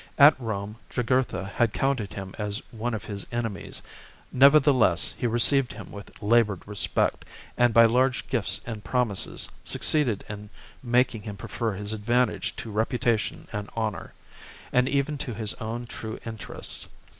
At Rome, Jugurtha had counted him as one of his enemies ; nevertheless, he received him with laboured respect, and by large gifts and promises succeeded in making him prefer his advantage to reputation and honour, and even to his own true interests.